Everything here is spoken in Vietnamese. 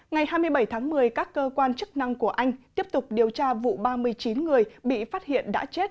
ngày hai mươi bảy tháng một mươi các cơ quan chức năng của anh tiếp tục điều tra vụ ba mươi chín người bị phát hiện đã chết